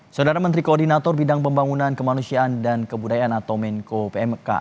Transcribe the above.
saudara menteri koordinator bidang pembangunan kemanusiaan dan kebudayaan atau menko pmk